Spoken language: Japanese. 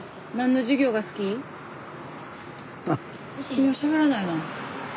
君はしゃべらないな。